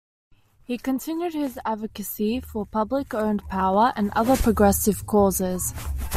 He continued his advocacy for public owned power, and other progressive causes.